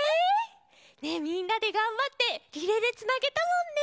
ねえみんなでがんばってリレーでつなげたもんね！